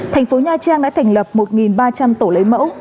thành phố nha trang đã thành lập một ba trăm linh tổ lấy mẫu